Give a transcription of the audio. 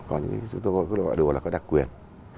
còn chúng tôi gọi đồ là đặc quyền